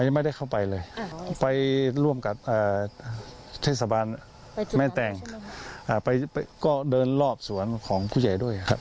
ไม่ได้เข้าไปเลยไปร่วมกับเทศบาลแม่แตงก็เดินรอบสวนของผู้ใหญ่ด้วยครับ